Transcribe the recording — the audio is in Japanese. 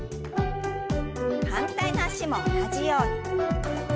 反対の脚も同じように。